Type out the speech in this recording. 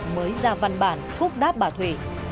mới ra văn bản phúc đáp bà thủy